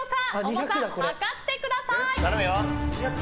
重さを量ってください！